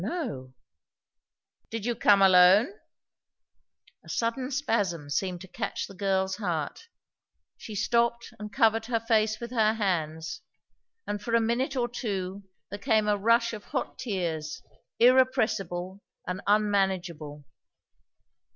_" "O no!" "Did you come alone?" A sudden spasm seemed to catch the girl's heart; she stopped and covered her face with her hands; and for a minute or two there came a rush of hot tears, irrepressible and unmanageable.